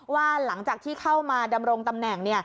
ว่าหลังจากที่เข้ามาดำรงตำแหน่ง